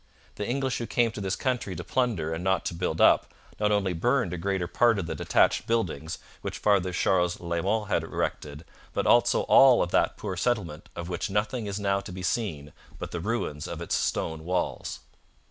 The English, who came to this country to plunder and not to build up, not only burned a greater part of the detached buildings which Father Charles Lalemant had erected, but also all of that poor settlement of which nothing is now to be seen but the ruins of its stone walls.'